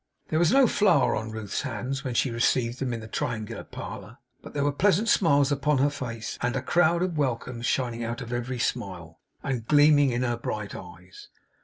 There was no flour on Ruth's hands when she received them in the triangular parlour, but there were pleasant smiles upon her face, and a crowd of welcomes shining out of every smile, and gleaming in her bright eyes.